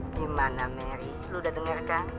di mana meri lu udah denger kan